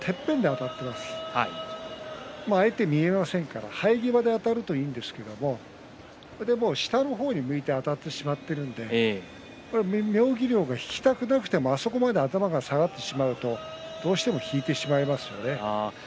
相手が見えませんから生え際であたるといいんですけど下の方に向いてあたってしまっていますので妙義龍が引きたくなくてもあそこまで頭が下がってしまうとどうしても引いてしまいますよね。